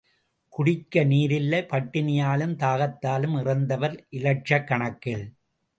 குடிக்க நீரில்லை, பட்டினியாலும் தாகத்தாலும் இறந்தவர் இலட்சக்கணக்கில்.